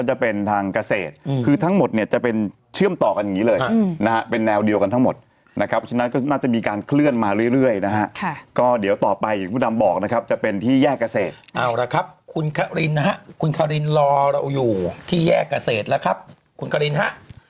แยกเกษตรเอาละครับคุณคารินนะฮะคุณคารินรอเราอยู่ที่แยกเกษตรแล้วครับคุณคารินฮะ